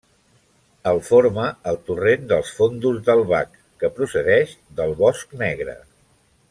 El forma el torrent dels Fondos del Bac, que procedeix del Bosc Negre.